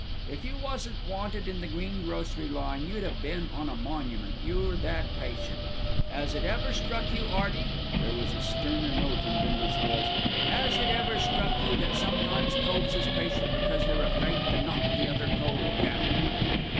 If you wasn't wanted in the greengrocery line, you'd 'ave been on a monument, you're that patient. 'As it ever struck you, 'Earty," there was a sterner note in Bindle's voice, "'as it ever struck you that sometimes coves is patient because they're afraid to knock the other cove down?"